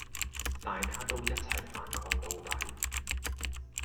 大家都一齊反抗到底